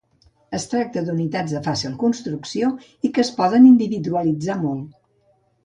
Es tracta unitats de fàcil construcció i que es poden individualitzar molt.